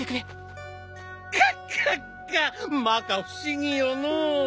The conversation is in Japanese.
カッカッカッまか不思議よのう。